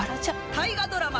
大河ドラマ